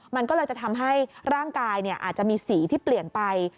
มันก็เลยจะทำให้ร่างกายอาจจะมีสีที่เปลี่ยนไป